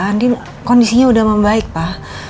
andin kondisinya udah membaik pa